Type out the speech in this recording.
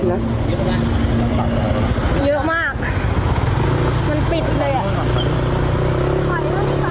เราคนแค่ยี่สิบคนเยอะมากมันปิดเลยอ่ะ